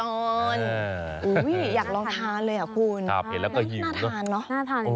อุ้ยอยากลองทานเลยอ่ะคุณน่าทานเนอะ